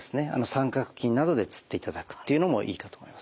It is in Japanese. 三角巾などでつっていただくっていうのもいいかと思います。